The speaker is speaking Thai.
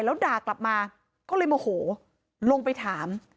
แล้วด่ากลับมาก็เลยโมโหลงไปถาม